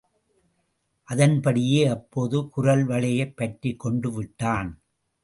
அதன்படியே அப்போது குரல் வளையைப் பற்றிக்கொண்டுவிட்டான்.